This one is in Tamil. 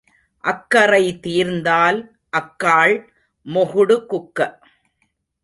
அக்கறை தீர்ந்தால் அக்காள் மொகுடு குக்க